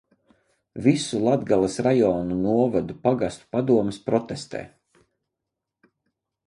Visu Latgales rajonu, novadu, pagastu padomes protestē.